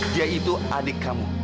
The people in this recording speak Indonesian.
dia itu adik kamu